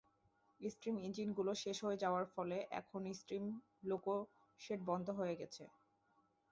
Steam ইঞ্জিনগুলি শেষ হয়ে যাওয়ার ফলে এখন স্টিম লোকো শেড বন্ধ হয়ে গেছে।